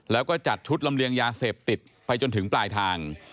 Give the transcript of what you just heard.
แล้วก็จัดชุดลำเลียงยาเสพติดไปจนถึงปลายทาง